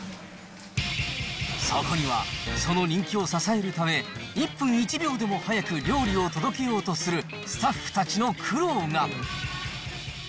そこには、その人気を支えるため、一分一秒でも早く料理を届けようとするスタッフたちの苦労が。